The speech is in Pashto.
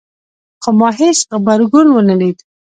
خو ما هیڅ غبرګون ونه لید